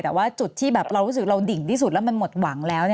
แต่ว่าจุดที่แบบเรารู้สึกเราดิ่งที่สุดแล้วมันหมดหวังแล้ว